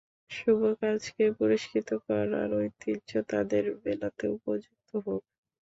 শুভকাজকে পুরস্কৃত করার ঐতিহ্য তাঁর বেলাতেও প্রযুক্ত হোক।